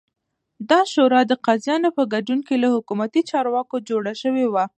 دا شورا د قاضیانو په ګډون له حکومتي چارواکو جوړه شوې وه